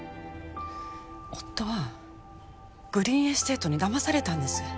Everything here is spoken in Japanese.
夫はグリーンエステートにだまされたんです